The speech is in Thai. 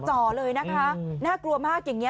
จ่อเลยนะคะน่ากลัวมากอย่างนี้